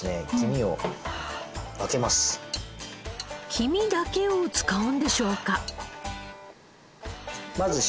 黄身だけを使うんでしょうか？